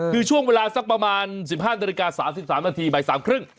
คือช่วงเวลาสักประมาณ๑๕นาฬิกา๓๓นาทีใหม่๓ครึ่ง